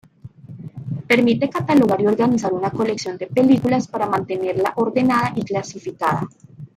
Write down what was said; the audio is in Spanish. Permite catalogar y organizar una colección de películas para mantenerla ordenada y clasificada.